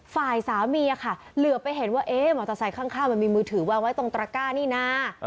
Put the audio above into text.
ฝ่ายสามีค่ะเหลือไปเห็นว่าเอ๊ะมอเตอร์ไซค์ข้างมันมีมือถือวางไว้ตรงตระก้านี่นะ